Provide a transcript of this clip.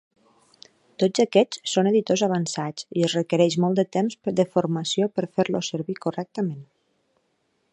Tots aquests són editors avançats i es requereix molt de temps de formació per fer-los servir correctament.